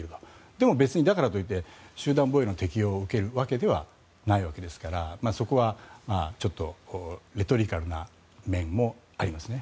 でも別にだからといって集団防衛の適用を受けるわけではないわけですがそこはちょっとレトリカルな面もありますね。